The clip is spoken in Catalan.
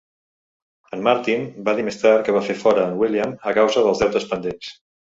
En Martin va dir més tard que va fer fora en William a causa dels deutes pendents.